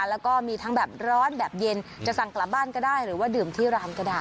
แล้วก็มีทั้งแบบร้อนแบบเย็นจะสั่งกลับบ้านก็ได้หรือว่าดื่มที่ร้านก็ได้